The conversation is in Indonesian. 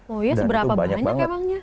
oh ya seberapa banyak emangnya